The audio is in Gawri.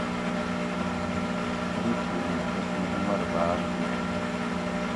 تیتھی اوں تسوں عمر باۤر ہِیت